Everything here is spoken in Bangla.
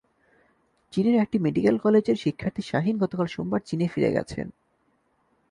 চীনের একটি মেডিকেল কলেজের শিক্ষার্থী শাহীন গতকাল সোমবার চীনে ফিরে গেছেন।